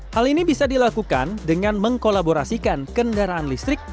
hal ini bisa dilakukan dengan mengkolaborasikan kendaraan listrik